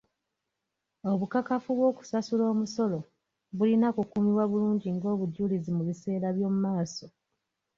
Obukakafu bw'okusasula omusolo bulina kukuumibwa bulungi ng'obujulizi mu biseera by'omumaaso.